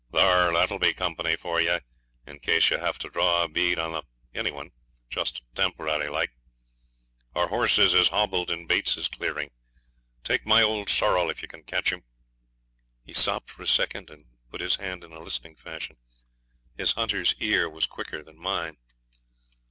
'Thar, that'll be company for ye, in case ye hev to draw a bead on the any one just temp'ry like. Our horses is hobbled in Bates's clearing. Take my old sorrel if ye can catch him.' He stopped for a second and put his hand in a listening fashion. His hunter's ear was quicker than mine.